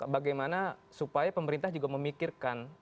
bagaimana supaya pemerintah juga memikirkan